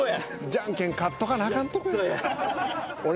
じゃんけん勝っとかなあかんとこや。